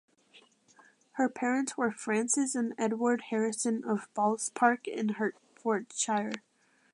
Her parents were Frances and Edward Harrison of Balls Park in Hertfordshire.